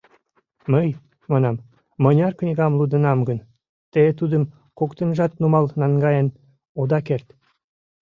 Мый, — манам, — мыняр книгам лудынам гын, те тудым коктынжат нумал наҥгаен ода керт!